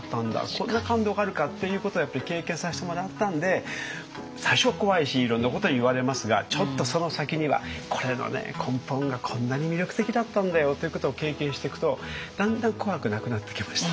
こんな感動があるかっていうことをやっぱり経験させてもらったんで最初は怖いしいろんなこと言われますがちょっとその先にはこれのね根本がこんなに魅力的だったんだよっていうことを経験していくとだんだん怖くなくなってきました。